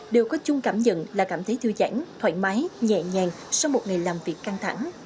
đều có chung cảm nhận là cảm thấy thư giãn thoải mái nhẹ nhàng sau một ngày làm việc căng thẳng